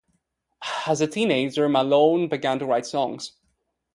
As an teenager, Malone began to write songs.